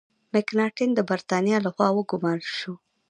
مکناټن د برتانیا له خوا وګمارل شو.